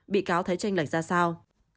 bị cáo thấy tranh lệch ra sao